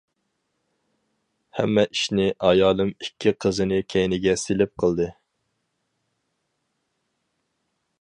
ھەممە ئىشنى ئايالىم ئىككى قىزىنى كەينىگە سېلىپ قىلدى.